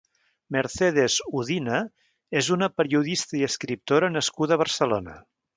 Mercedes Odina és una periodista i escriptora nascuda a Barcelona.